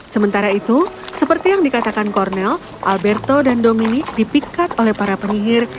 sementara itu seperti yang dikatakan cornel alberto dan domini dipikat oleh para penyihir